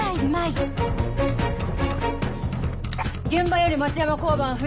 現場より町山交番藤。